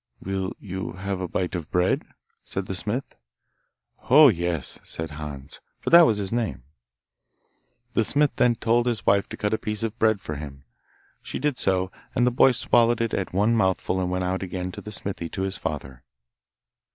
'Will you have a bite of bread?' said the smith. 'Oh, yes,' said Hans, for that was his name. The smith then told his wife to cut a piece of bread for him. She did so, and the boy swallowed it at one mouthful and went out again to the smithy to his father.